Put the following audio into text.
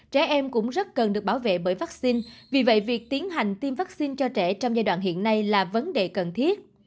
trẻ em cũng rất cần được bảo vệ bởi vaccine vì vậy việc tiến hành tiêm vaccine cho trẻ trong giai đoạn hiện nay là vấn đề cần thiết